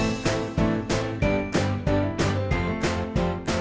มีความสุขในที่ที่เราอยู่ในช่องนี้ก็คือความสุขในที่ที่เราอยู่ในช่องนี้